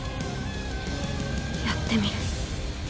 やってみる。